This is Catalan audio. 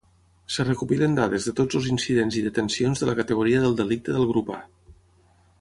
Es recopilen dades de tots els incidents i detencions de la categoria del delicte del grup A.